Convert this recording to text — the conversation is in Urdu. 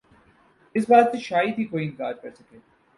اس بات سے شاید ہی کوئی انکار کرسکے